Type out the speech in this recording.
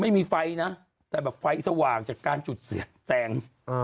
ไม่มีไฟนะแต่แบบไฟสว่างจากการจุดเสียแซง